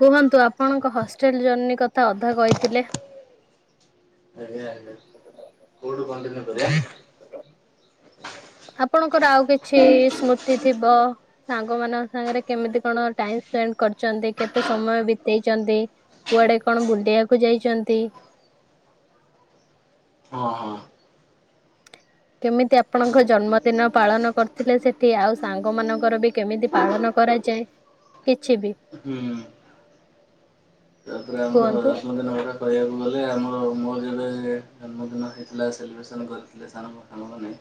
କୁହନ୍ତୁ, ଆପଣଙ୍କ hostel journey କଥା ଅଧା କହିଥିଲେ। ଆଜି ଆଇଲା, କୋଉଠୁ କଣ୍ଟିନ୍ୟୁ କରିଆ? ଆପଣଙ୍କର ଆଉ କିଛି ସ୍ମୃତି ଥିବ ସାଙ୍ଗମାନଙ୍କ ସାଙ୍ଗରେ କେମିତି କଣ ଟାଇମ ସ୍ପେଣ୍ଡ କରିଚନ୍ତି, କେତେ ସମୟ ବିତେଚଛନ୍ତି କୁଆଡେ କଣ ବୁଲଡିଆକୁ ଯାଇଚନ୍ତି ହଁ ହଁ। କେମିତି ଆପଣଙ୍କ ଜନ୍ମଦିନ ପାଳନ କରିଥିଲେ ସେଠି? ଆଉ ସାଙ୍ଗମାନଙ୍କର ବି କେମିତି ପାଳନ କରାଯାଏ, କିଛି ବି। ହୁଁ। ତାପରେ ଆମର କୁହନ୍ତୁ ଦଶମ ଦିନ ପରେ କହିଆକୁ ଗଲେ, ଆମର ମୋର ଯେବେ ଏ ଜନ୍ମଦିନ ହେଇଥିଲା ସେଲିବ୍ରେସନ୍ କରିଥିଲେ ସାରଙ୍କ ଆମ ମାନେ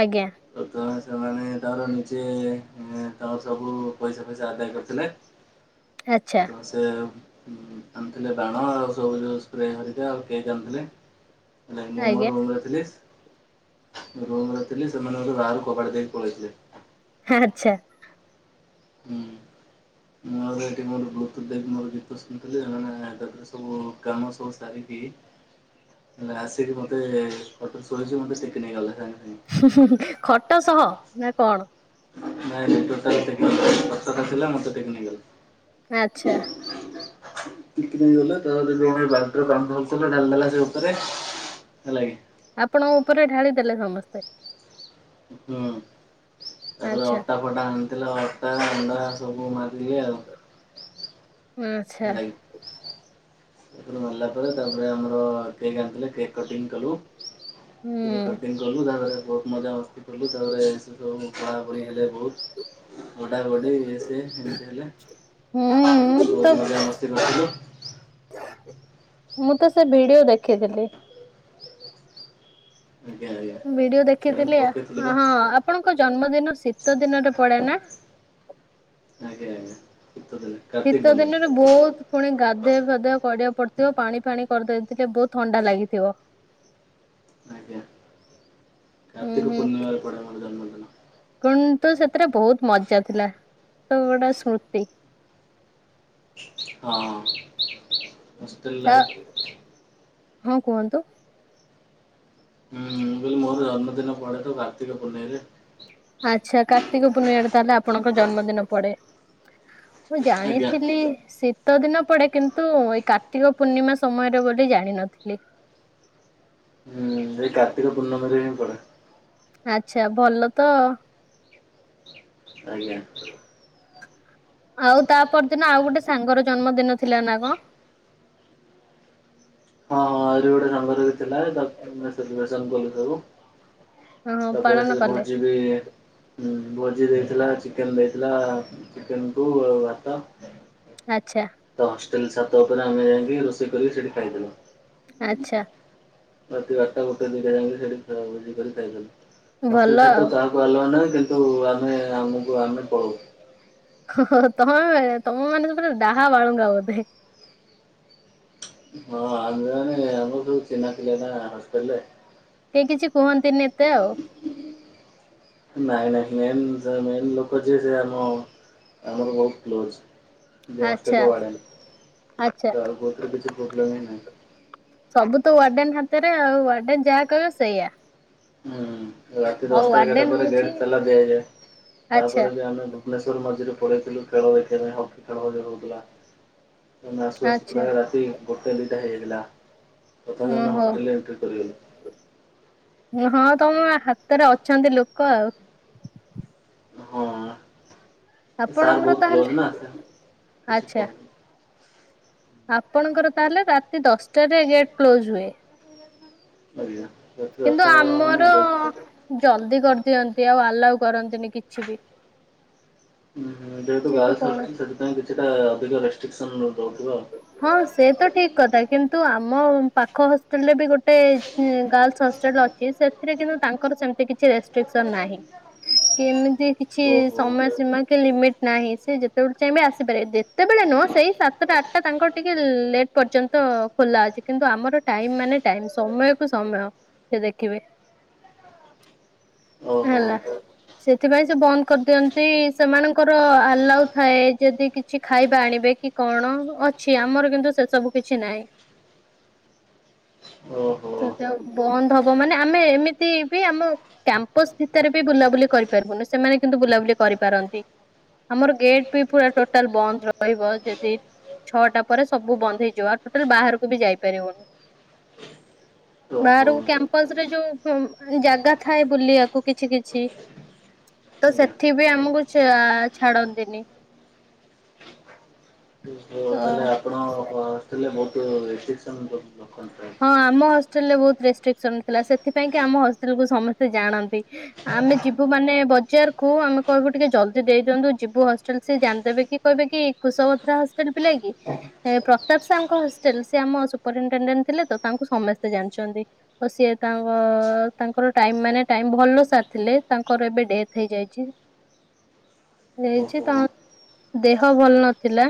ଆଜ୍ଞା ତ ତେଣୁ ସେମାନେ ତାର ନିଜେ ଉମ୍ ତମର ସବୁ ପଇସା ଫଇସା ଆଦାୟ କରିଥିଲେ ଆଚ୍ଛା। ମାସେ ଆଉ ଆଣିଥିଲେ ବାଣ ଆଉ ସବୁ ଯୋଉ ସ୍ପ୍ରେ ହରିକା ଆଉ କେକ୍ ଆଣିଥିଲେ। ନାଇଁ ମୁଁ ମୋ ଆଜ୍ଞା ରୁମରେ ଥିଲି ରୁମ୍ ରେ ଥିଲି, ସେମାନେ ମତେ ବାହାରୁ କବାଟ ଦେଇକି ପଳେଇଥିଲେ। ଆଚ୍ଛା। ମତ୍ ସବୁବେଳେ ଏଠି ମୋର ଗୁରୁତ୍ୱ ଦେଇକି ମୋର ଯେହେତୁ ସ୍କିନ ଥିଲି, ଏମାନେ ତାରେ ସବୁ କାମ ସବୁ ସାରିକି ହ ହେଲେ ଆସିକି ମୋତେ, ଖଟରେ ଶୋଇଛି ମୋତେ ଟେକି ନେଇଗଲା। ସାଙ୍ଗେ। ହୁଁ-ହୁଁ-ହୁଁ। ଖଟ ସହ ନା କଣ? ନାଇଁ ନାଇଁ, ଟୋଟାଲ ଟେକି ନେଇଗଲା, ଖଟଟା ଥିଲା ମତେ ଟେକି ନେଇଗଲା। ଆଚ୍ଛା। ଟେକି ନେଇଗଲା, ତାପରେ ଜଣେ ବାଲ୍ଟିରେ ପାଣି ଧରିଥିଲା ଢାଳିଦେଲା ସେ ଓପରେ ହେଲାକି। ଆପଣଙ୍କ ଉପରେ ଢାଳି ଦେଲେ ସମସ୍ତେ? ହୁଁ। ତାପରେ ଆଚ୍ଛା ଅଟା ଫଟା ଆଣିଥିଲେ, ଅଟା, ଅଣ୍ଡା ସବୁ ମାରିଦେଲେ ଆଉ। ଓ ଏ ଆଚ୍ଛା। ସେସବୁ ମାରିଲା ପରେ, ତାପରେ ଆମର କେକ୍ ଆଣିଥିଲେ କେକ୍ କଟିଂ କଲୁ କେକ୍ ହୁଁ। କଟିଙ୍ଗ କଲୁ, ତାପରେ ବହୁତ ମଜା ମସ୍ତି କଲୁ, ତାପରେ ସେସବୁ ବୋଳାବୋଳି ହେଲେ ବହୁତ, ଗଡା ଗଡି ଇଏ ସିଏ ଏମତି ହେଲେ। ହୁଁ ଉଁ, ମୁଁ ବହୁତ ତ ମଜା ମସ୍ତି କରିଥିଲୁ। ମୁଁ ତ ସେ ଭିଡିଓ ଦେଖିଥିଲି। ଆଜ୍ଞା ଆଜ୍ଞା। ମୁଁ ଭିଡିଓ ସେଇଟା ମୁଁ ଦେଖିଥିଲି। ପକେଇଥିଲି ବା ହଁ ଆପଣଙ୍କ ଜନ୍ମଦିନ ଶୀତ ଦିନରେ ପଡେ ନା? ଆଜ୍ଞା ଆଜ୍ଞା। ଶୀତ ଦିନେ। ଶୀତ ଦିନରେ ବହୁତ ପୁଣି ଗାଧୁଆ ଫାଧୁଆ କରିବାକୁ ପଡିଥିବ। ପାଣି ଫାଣି କରିଦେଇଥିଲେ ବହୁତ ଥଣ୍ଡା ଲାଗିଥିବ। ଆଜ୍ଞା। ହୁଁ କାର୍ତ୍ତିକ ହୁଁ ପୂର୍ଣ୍ଣିମାରେ ପଡ଼େ ମୋର ଜନ୍ମଦିନ। କିନ୍ତୁ ସେଥିରେ ବହୁତ ମଜା ଥିଲା। ତ ଗୋଟେ ସ୍ମୃତି। ହଁ। ହଷ୍ଟେଲ ତା ଲାଇଫ୍ ହଁ କୁହନ୍ତୁ? ହୁଁ ମୁଁ କହିଲି ମୋର ଜନ୍ମଦିନ ପଡେ ତ କାର୍ତ୍ତିକ ପୂନେଇଁ ରେ। ଆଚ୍ଛା। କାର୍ତ୍ତିକ ପୂର୍ଣ୍ଣିମା ରେ ତାହେଲେ ଆପଣଙ୍କ ଜନ୍ମଦିନ ପଡେ? ମୁଁ ଆଜ୍ଞା। ଜାଣିଥିଲି ସି ଶୀତ ଦିନ ପଡେ କିନ୍ତୁ ଏଇ କାର୍ତ୍ତିକ ପୂର୍ଣ୍ଣିମା ସମୟରେ ବୋଲି ଜାଣିିନଥିଲି। ହୁଁ ଏଇ କାର୍ତ୍ତିକ ପୂର୍ଣ୍ଣମୀରେ ହିଁ ପଡେ। ଆଚ୍ଛା ଭଲ ତ। ଆଜ୍ଞା। ଆଉ ତା ପରଦିନ ଆଉ ଗୋଟେ ସାଙ୍ଗର ଜନ୍ମଦିନ ଥିଲା ନା କଣ? ହଁ ହଁ ଆହୁରି ଗୋଟେ ସାଙ୍ଗର ବି ଥିଲା। ସେଲିବ୍ରେସନ୍ କଲେ ତାକୁ। ହଁ ତାପରେ ପାଳନ ସେ କଲେ ଭୋଜି ବି ଭୋଜି ଦେଇଥିଲା, ଚିକେନ୍ ଦେଇଥିଲା। ଚିକେନ କୁ ଭାତ। ଆଛା। ତ ହଷ୍ଟେଲ ଛାତ ଉପରେ ଆମେ ଯାଇକି ରୋଷେଇ କରି ସେଠି ଖାଇଦେଉ। ଆଚ୍ଛା। ରାତି ବାରଟା ଗୋଟେ ଦିଟା ଯାଏ ସେଠି [unintelligible] ଭଲ ହଷ୍ଟେଲ ଛାତ ଆଉ ଆଲାଉ ନାହିଁ କିନ୍ତୁ ଆମେ ଆମକୁ ଆମେ ପଳଉ। ଓ ତମେ ତମ ମାନେ ଡାହା ବାଳୁଙ୍ଗା ବୋଧେ। ହଁ ଆମେ ମାନେ ଆମର ସବୁ ଚିହ୍ନା ପିଲା ନା ଥିଲେ। କେହି କିଛି କୁହନ୍ତିନି ଏତେ ଆଉ। ନାଇଁ ନାଇଁ ମେନ୍ ମେନ୍ ଲୋକ ଯିଏ ସେ ଆମ ଆମର ବହୁତ କ୍ଲୋଜ୍। ଯିଏ ଆଚ୍ଛା ହଷ୍ଟେଲ ୱାଡେନ ଆଚ୍ଛା। ତା କତିରେ କିଛି ପ୍ରୋବ୍ଲେମ ହିଁ ନାହିଁ। ସବୁ ତ ୱାର୍ଡେନ୍ ହାତରେ ଆଉ। ୱାର୍ଡେନ୍ ଯାହା କହିବ ସେଇଆ। ହୁଁ। ରାତି ଆଉ ଦଶଟା ଏଗାରଟା ୱାର୍ଡେନ ପରେ ହଉଛି ଗେଟ୍ ତାଲା ଦିଆଯାଏ। ଆଚ୍ଛା ତାପରେ ବି ଆମେ ଭୁବନେଶ୍ୱର ମଝିରେ ପଳେଇଥିଲୁ ଖେଳ ଦେଖିବା ପାଇଁ ହକି ଖେଳ ଯୋଉ ହଉଥିଲା। ସେଦିନ ଆସୁ ଆସୁ ଆଚ୍ଛା ପୁରା ରାତି ଗୋଟେ ଦିଟା ହେଇଯାଇଥିଲା। ତଥାପି ଆମେ ଓହୋ। ହଷ୍ଟେଲ ରେ ଏଣ୍ଟ୍ରି କରିଗଲୁ। ହଁ ତମ ହାତରେ ଅଛନ୍ତି ଲୋକ ଆଉ। ସେ ସାର୍ ଆପଣଙ୍କର ବହୁତ ତାହେଲେ କ୍ଲୋଜ ନା। ସେ କିଛି ଆଚ୍ଛା। କହ ଆପଣଙ୍କର ତାହେଲେ ରାତି ଦଶଟାରେ ଗେଟ କ୍ଲୋଜ ହୁଏ। ଆଜ୍ଞା। ରାତି ଦଶଟା ହବ ମାନେ ଗେଟ କ୍ଲୋଜ୍। ଜଲଦି କରିଦିଅନ୍ତି ଆଉ ଆଲାଉ କରନ୍ତିନି କିଛି ବି। ଉଁ ହୁଁଁ। ଯେହେତୁ କିଛି ବି ଗାର୍ଲ୍ସ ହଷ୍ଟେଲ କୌଣସି ସେଥିପାଇଁ କିଛିଟା ଅଧିକ ରେଷ୍ଟ୍ରିକ୍ସନ ଦଉଥିବ ଆଉ। ହଁ ସେ ତ ଠିକ କଥା। କିନ୍ତୁ ଆମ ପାଖ ହଷ୍ଟେଲ ରେ ବି ଗୋ ଗୋଟେ ଗାର୍ଲସ ହଷ୍ଟେଲ ଅଛି। ସେଥିରେ କିନ୍ତୁ ତାଙ୍କର ସେମିତି କିଛି ରେ ଷ୍ଟ୍ରିସନ୍ ନାହିଁ। କି ଏମିତି କିଛି ଓହୋ ସମୟ ସୀମା କି ଲିମିଟ ନାହିଁ। ସେ ଯେତେବେଳେ ଚାହିଁବେ ଆସିପାରିବେ। ଯେତେବେଳେ ନୁହଁ ସେଇ ସାତଟା ଆ ତାଙ୍କର ଟିକେ ଲେଟ୍ ପର୍ଯ୍ୟନ୍ତ ଖୋଲା ଅଛି। କିନ୍ତୁ ଆମର ଟାଇମ ମାନେ ଟାଇମ୍ ସମୟ କୁ ସମୟ। ସେ ଦେଖିବେ। ଓହୋ ହେଲା। ସେଥିପାଇଁ ସେ ବନ୍ଦ କରିଦିଅନ୍ତି ସେମାନଙ୍କର ଆଲାଉ ଥାଏ। ଯଦି କିଛି ଖାଇବା ଆଣିବେ କି କଣ ଅଛି। ଆମର କିନ୍ତୁ ସେ ସବୁ କିଛି ନାହିଁ। ଓହୋ। ବନ୍ଦ୍ ହବ ମାନେ, ଆମେ ଏମିତି ବି ଆମ କ୍ୟାମ୍ପସ୍‌ ଭିତରେ ବି ବୁଲାବୁଲି କରିପାରିବୁ -, ସେମାନେ କିନ୍ତୁ ବୁଲାବୁଲି କରିପାରନ୍ତି। ଆମର ଗେଟ୍ ବି ପୁରା ଟୋଟାଲ୍ ବନ୍ଦ ରହିବ। ଯଦି ଛଅଟା ପରେ ସବୁ ବନ୍ଦ ହେଇଯିବ, ଆଉ ଟୋଟାଲ୍ ବାହାରକୁ ବି ଯାଇପାରିବୁ। ଓହୋ। ବାହାରୁ କ୍ୟାମ୍ପସ୍‌ ରେ ଯଉ -ଜାଗା ଥାଏ। ବୁଲିଆ କୁ କିଛି କିଛି ତ ସେଥିପାଇଁ ଆମକୁ ଛାଡନ୍ତିନି। -ତା ତ ହେଲେ ଆପଣ ହଷ୍ଟେଲ- ବହୁତୁ ରେଷ୍ଟ୍ରିକସନ୍‌ ହଁ! ଆମ ହଷ୍ଟେଲ ରେ ବହୁତ୍ ରେଷ୍ଟ୍ରିକସନ୍‌ ଥିଲା, ସେଥିପାଇଁ କି ଆମ ହଷ୍ଟେଲ କୁ ସମସ୍ତେ ଜାଣନ୍ତି। ଆମେ ଯିବୁ ମାନେ ବଜାର୍ କୁୁ ଆମେ କହିବୁ ଟିକେ ଜଲଦି ଦେଇ ଦିଅନ୍ତୁ। ଯିବୁ ହଷ୍ଟେଲ, ସିଏ ଜାଣିଦେବେ କି କହିବେ କି କୁଶଭତ୍ରା ହଷ୍ଟେଲ୍ ପିଲା କି? ପ୍ରତାପ୍ ସାର୍ ଙ୍କ ହଷ୍ଟେଲ୍। ସେ ଆମ ସୁପରିଟେଣ୍ଡେ ଥିଲେ ତ, ତାଙ୍କୁ ସମସ୍ତେ ଜାଣିଚନ୍ତି। ଓ ସିଏ ତାଙ୍କ--ତାଙ୍କର ଟାଇମ୍ ମାନେ ଟାଇମ୍। ଭଲ ସାର୍ ଥିଲେ, ତାଙ୍କର ଏବେ ଡ଼େଥ୍ ହେଇଯାଇଚି। ହେଇଛି, ଓହୋ ଓହୋ। ଦେହ ଭଲ୍ ନଥିଲା।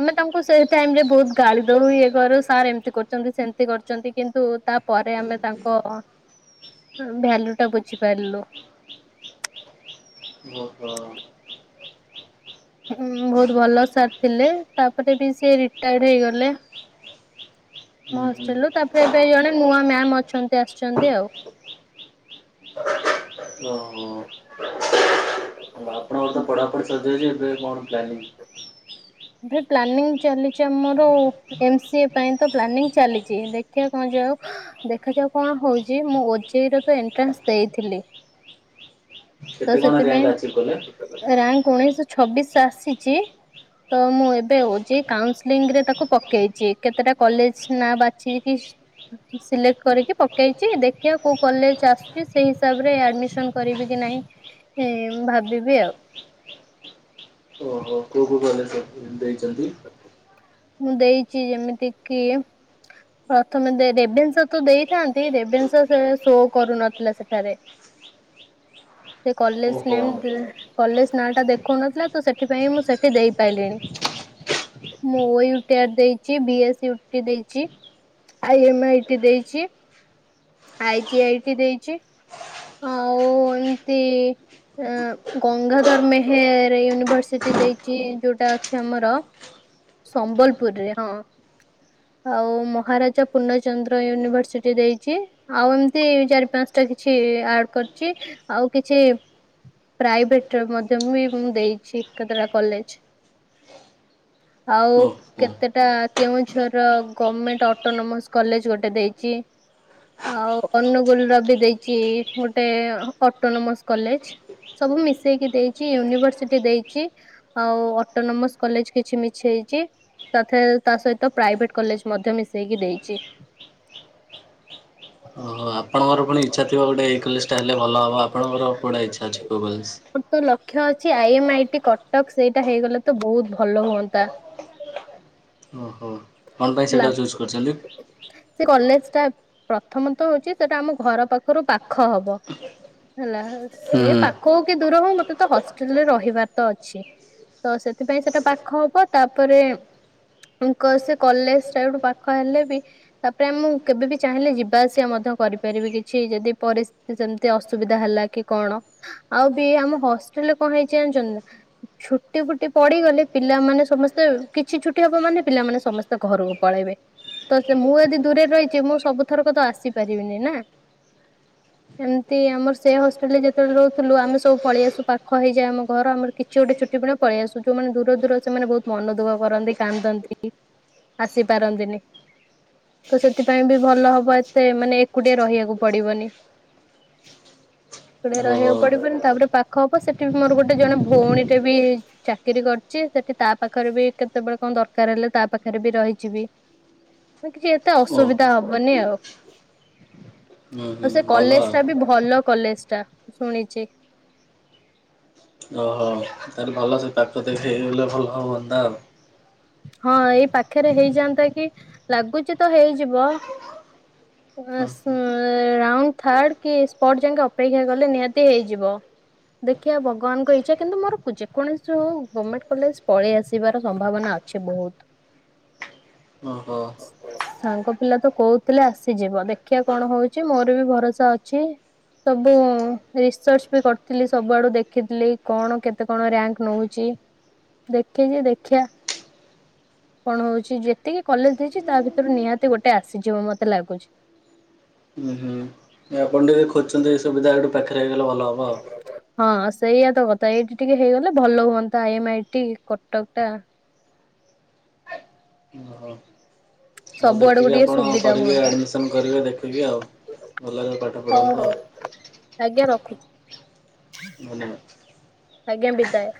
ଆମେ ତାଙ୍କୁ ସେ ଟାଇମ୍ ରେ ବହୁତ୍ ଗାଳି ଦଉ, ଇଏ କରୁ ସାର୍ ଏମିତି କରୁଚନ୍ତି। ସେମ୍ତି କରୁଚନ୍ତି, କିନ୍ତୁ ତାପରେ ଆମେ ତାଙ୍କ ଭ୍ୟାଲ୍ୟୁ ଟା ବୁଝିପାରିଲୁ। [inaudible] ବହୁତ୍ ଭଲ ସାର୍ ଥିଲେ, ତା'ପରେ ବି ସେ ରିଟାୟା- ହେଇଗଲେ। ହୁଁ ହୁଁ ତା'ପରେ ଏବେ ଜଣେ ନୂଆ ମ୍ୟାମ୍ ଅଛନ୍ତି, ଆସିଚନ୍ତି ଆଉ। [inaudible] [inaudible] [inaudible] [inaudible] ଭେ ପ୍ଲାନିଂ ଚାଲିଚି ଆମର ଏମ୍ ସିଏ ପାଇଁ ତ ପ୍ଲାନିଂ ଚାଲିଚି, ଦେଖିଆ କ'ଣ ଯେ ଦେଖାଯାଉ କ'ଣ ହଉଚି, ମୁଁ ଓଜେଇ ର ତ ଏଣ୍ଟ୍ରାନ୍ସ ଦେଇଥିଲି। କେତେ ତ, କଣ ରିଆଙ୍କ ଆଚିଭ୍ କଲେ? ସେଥିପାଇଁ ରାଙ୍କ୍ ଉଣେଇଶ୍ ଛବିଶ୍ ଆସିଚି। ତ ଏବେ, ମୁଁ ଓଜେଇ କାଉସିଲିଂରେ ତାକୁ ପକେଇଚି। କେତେଟା କଲେଜ ନା ବାଛି କି ସିଲେକ୍ଟ କରିକି ପକେଇଚି, ଦେଖିଆ କଉ କଲେଜ ଆସ୍ଚି। ସେଇ ହିସାବ୍ ରେ ଆଡ୍‌ମିଶନ୍‌ କରିବି କି ନାଇଁ ଭାବିବି ଆଉ। [inaudible] [inaudible] ମୁଁ ଦେଇଚି, ଏମିତି କିି ପ୍ରଥମେ ରେଭେନ୍ସା ତ ଦେଇଥାନ୍ତି, ରେଭେନ୍ସା ସୋ କରୁନଥିଲା। ସେଠାରେ ସେ କଲେଜ ଓହୋ ନେମ୍ କଲେଜ ନାଁ ଟା ଦେଖଉ ନଥିଲା। ତ, ସେଠି ପାଇଁ ମୁଁ ସେଠି ଦେଇ ପାଇଲିଣି। ମୁଁ ଓୟୁ---ଦେଇଚି, ବି ଏସ୍ ଟି ଦେଇଚି। ଆଇ ଏମ୍ ଆଇଟି ଦେଇଚି। ଆଇ ଆଇଟି ଦେଇଚି। ଆଉ, ଏନ୍ତି ଗଙ୍ଗାଧର ମେହେର୍ ୟୁନିଭରସିଟି ଦେଇଚି। ଯଉଟା ଅଛି ଆମର ସମ୍ବଲପୁର୍ ରେ ହଁ। ଆଉ, ମହାରାଜା ପୂର୍ଣ୍ଣଚନ୍ଦ୍ର ୟୁନିଭରସିଟି ଦେଇଚି। ଆଉ ଏମ୍ତି ଚାରି, ପାନ୍ସଟା କିଛି ଆଡ୍‌ କର୍ଚି। ଆଉ କିଛି ପ୍ରାଇଭେଟ୍ ରେ ମଧ୍ୟ ମୁଁ ଦେଇଛି, କେତେଟା କଲେଜ୍‌। ଆଉ, ଓହୋ। କେ କେଉଁଝର୍ ର ଗମେଣ୍ଟ୍ ଅଟୋନୋମସ୍‌ କଲେଜ ଗୋଟେ ଦେଇଚି। ଆଉ ଅନୁଗୁଳ୍ ର ବି ଦେଇଚି, ଗୋଟେ ଅଟୋନୋମସ୍‌ କଲେଜ୍‌। ସବୁ ମିଶେଇକି ଦେଇଚି, ୟୁନିଭର୍ସିଟି ଦେଇଚି। ଆଉ ଅଟୋନୋମସ କଲେଜ କିଛି ମିଛେଇଚି ତା ଥେ ତା ସହିତ ପ୍ରାଇଭେଟ କଲେଜ ମଧ୍ୟ ମିଶେଇକି ଦେଇଚି। ଓହୋ ଆପଣଙ୍କର ପୁଣି ଇଚ୍ଛା ଥିବ ଗୋଟେ ଏଇ କଲେଜ ଟା ହେଲେ ଭଲ ହବ ଆପଣଙ୍କର କୋଉଟା ଇଚ୍ଛା ଅଛି କୋଉ କଲେଜ? ମୋର ତ ଲକ୍ଷ୍ୟ ଅଛି I M I T Cuttack ସେଇଟା ହେଇଗଲେ ତ ବହୁତ ଭଲ ହୁଅନ୍ତା। ଓହୋ କଣ ପାଇଁ ଲା ସେଇଟା ଚୁଜ୍ କରିଛନ୍ତି? ସେ କଲେଜ ଟା ପ୍ରଥମତ ହଉଛି ସେଟା ଆମ ଘର ପାଖରୁ ପାଖ ହବ। ହେଲା ସେ ହୁଁ। ପାଖ ହଉ କି ଦୂର ହଉ ମତେ ତ ହଷ୍ଟେଲରେ ରହିବାର ତ ଅଛି। ତ ସେଥିପାଇଁ ସେଟା ପାଖ ହବ ତାପରେ ତାଙ୍କ ସେ କଲେଜ ଟା ଏଉଠୁ ପାଖ ହେଲେ ବି ତାପରେ ଆ ମୁଁ କେବେ ବିି ଚାହିଁଲେ ଯିବା ଆସିବା ମଧ୍ୟ କରିପାରିବି କିଛି ଯଦି ପରିସ୍ଥିତି ସେମତି ଅସୁବିଧା ହେଲା କି କଣ ଆଉ ବି ଆମ ହଷ୍ଟେଲରେ କଣ ହେଇଚି ଜାଣିଛନ୍ତି ନା ଛୁଟି ଫୁଟି ପଡିଗଲେ ପିଲାମାନେ ସମସ୍ତେ କିଛି ଛୁଟି ହବ ମାନେ ପିଲାମାନେ ସମସ୍ତେ ଘରକୁ ପଳେଇବେ। ତ ସେ ମୁଁ ଯଦି ଦୂରରେ ରହିଯିବି ମୁଁ ସବୁଥରକ ତ ଆସିପାରିବିନି ନା। ଏମିତି ଆମର ସେ ହଷ୍ଟେଲ ରେ ଯେତେବେଳେ ରହୁଥିଲୁ ଆମେ ସବୁ ପଳେଇଆସୁ ପାଖ ହେଇଯାଏ ଆମ ଘର ଆମର କିଛି ଗୋଟେ ଛୁ [unintelligible] ପଳେଇ ଆସୁ ଯୋଉମାନେ ଦୂର ଦୂର ସେମାନେ ବହୁତ ମନ ଦୁଖ କରନ୍ତି କାନ୍ଦନ୍ତି ଆସିପାରନ୍ତିନି। ତ ସେଥିପାଇଁ ବି ଭଲ ହବ ଏତେ ମାନେ ଏକୁଟିଆ ରହିବାକୁ ପଡିବନି। ଏକୁଟିଆ ଓହୋ ରହିବାକୁ ପଡିବନି ତାପରେ ପାଖ ହବ ସେଠି ବି ମୋର ଗୋଟେ ଜଣେ ଭଉଣୀଟେ ବି ଚାକିରି କରିଚି ସେଠି ତା ପାଖରେ ବି କେତେବେଳେ କଣ ଦରକାର ହେଲେ ତା ପାଖରେ ବି ରହିଜିବି। କିଛି ଏତେ ଓ ଅସୁବିଧା ହବନି ଆଉ। ହଁ ଆଉ ସେ କଲେଜ ଟା ବି ଭଲ କଲେଜ ଟା ଶୁଣିଚି ତ ତାହେଲେ ଭଲ ସେ ପାଖ ସେଇଠି ହେଲେ ଭଲ ହୁଅନ୍ତା ଆଉ। ହଁ ଏଇ ପାଖରେ ହେଇଯାଆନ୍ତା କି ଲାଗୁଚି ତ ହେଇଯିବ ହୁଁ ହୁଁ ରାଉଣ୍ଡ ଥାର୍ଡ କି ସ୍ପଟ୍ ଯାଙ୍କେ ଅପେକ୍ଷା କଲେ ନିହାତି ହେଇଯିବ। ଦେଖିଆ ଭଗବାନଙ୍କ ଇଚ୍ଛା କିନ୍ତୁ ମୋର ଯେକୌଣସୀ ଗଭର୍ଣମେଣ୍ଟ କଲେଜ ପଳେଇ ଆସିବାର ସମ୍ଭାବନା ଅଛି। ସେ ବହୁତ ଓହୋ ସାଙ୍ଗ ପିଲା ତ କହୁଥିଲେ ଆସିଯିବ ଦେଖିବା କଣ ହଉଛି ମୋର ବି ଭରସା ଅଛି। ସବୁ ରିସର୍ଚ ବି କରିଥିଲି ସବୁଆଡୁ ଦେଖିଥିଲି କଣ କେତେ କଣ ରାଙ୍କ ନେଉ ଚି ଦେଖିଚି ଦେଖିଆ କଣ ହଉଛି ଯେତିକି କଲେଜ ଦେଇଛି ତା ଭିତରୁ ନିହାତି ଗୋଟେ ଆସିଯିବ ମତେ ଲାଗୁଛି। ହୁଁ ହୁଁ ଏ ଆପଣ ଟିକେ ଖୋଜଛନ୍ତି ସୁବିଧା ଏଇଠୁ ପାଖରେ ହେଇଗଲେ ଭଲ ହେବ ଆଉ। ହଁ ହଁ ସେଇଆ ତ କଥା ଏଇଠି ଟିକେ ହେଇଗଲେ ଭଲ ହୁଅନ୍ତା I M I T Cuttack ଟା ହୁଁ ଭଲ ହୁଅନ୍ତା। ହଉ ସବୁ ଆଡକୁ ଦେଖିକି ଟିକେ ଆପଣ ସୁବିଧା କରିବେ ହୁଅନ୍ତା ଆଡ଼ମିସନ୍ କରିବେ ଦେଖିକି ଆଉ ଭଲ ଭାବରେ ପାଠ ହଉ ପଢ଼ନ୍ତୁ ଆଉ। ହଉ ଆଜ୍ଞା ରଖୁଚି। ଧନ୍ୟବାଦ। ଆଜ୍ଞା ବିଦାୟ।